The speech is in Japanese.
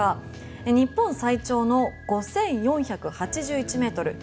日本最長の５４８１ｍです。